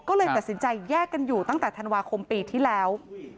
ก็เลยตัดสินใจแยกกันอยู่ตั้งแต่ธันวาคมปีที่แล้ว